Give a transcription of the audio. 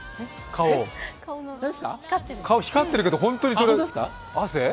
顔光ってるけど、本当にそれ、汗？